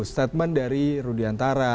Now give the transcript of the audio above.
statement dari rudi antara